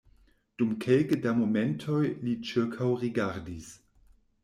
Dum kelke da momentoj li ĉirkaŭrigardis.